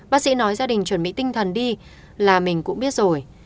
bác sĩ nói gia đình chuẩn bị tinh thần đi là mình cũng biết rồi